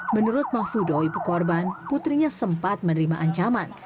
menurut mahfudo ibu korban putrinya sempat menerima ancaman